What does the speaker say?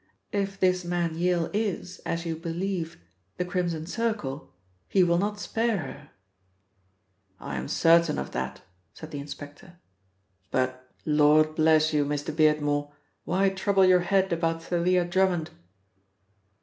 "If this man Yale is, as you believe, the Crimson Circle, he will not spare her." "I'm certain of that," said the inspector; "but, lord bless you, Mr. Beardmore, why trouble your head about Thalia Drummond?"